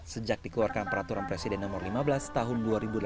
sejak dikeluarkan peraturan presiden nomor lima belas tahun dua ribu delapan belas